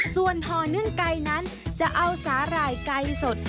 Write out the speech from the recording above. ส่วนห่อนึ่งไก่นั้นจะเอาสาหร่ายไก่สด